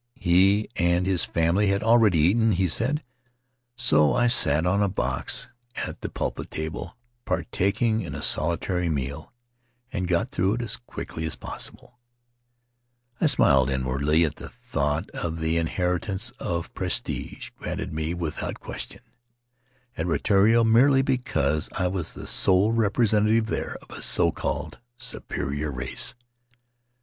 He and his family had already eaten, he said; so I sat on a box The Starry Threshold at the pulpit table, partaking of a solitary meal, and got through with it as quickly as possible. I smiled inwardly at the thought of the inheritance of prestige, granted me without question, at Rutiaro, merely because I was the sole representative there of a so called superior race.